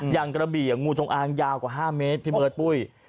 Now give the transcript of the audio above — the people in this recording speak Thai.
อย่างกระบี่งูจงอ่างยาวกว่า๕เมตรพี่เมิดปุ้ย